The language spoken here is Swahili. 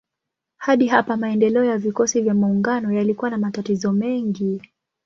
Hadi hapa maendeleo ya vikosi vya maungano yalikuwa na matatizo mengi.